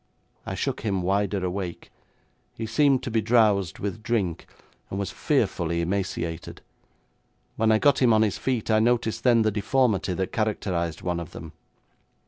I shook him wider awake. He seemed to be drowsed with drink, and was fearfully emaciated. When I got him on his feet, I noticed then the deformity that characterised one of them.